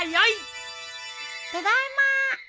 ただいまー。